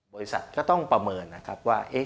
บริษัทก็ต้องประเมินนะครับว่า